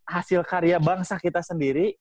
hasil karya bangsa kita sendiri